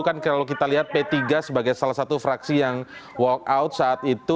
kan kalau kita lihat p tiga sebagai salah satu fraksi yang walk out saat itu